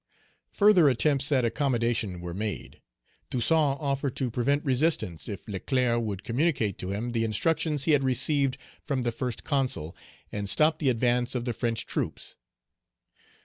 Further attempts at accommodation were made. Toussaint offered to prevent resistance, if Leclerc would communicate to him the instructions he had received from the First Consul, and stop the advance of the French troops.